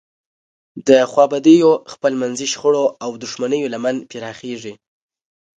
د خوابدیو، خپلمنځي شخړو او دښمنیو لمن پراخیږي.